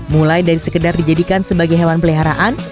mulai dari sekedar dijadikan sebagai hewan peliharaan